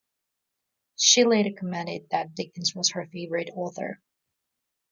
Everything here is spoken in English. She later commented that Dickens was her favourite author.